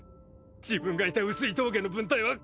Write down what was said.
自分がいた碓氷峠の分隊は壊滅！